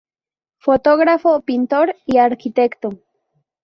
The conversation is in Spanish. Fotógrafo, pintor y arquitecto.